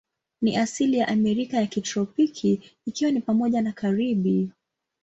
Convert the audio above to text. Ni asili ya Amerika ya kitropiki, ikiwa ni pamoja na Karibi.